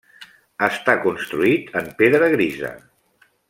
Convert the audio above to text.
Està construït en pedra grisa.